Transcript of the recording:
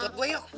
ikut gue yuk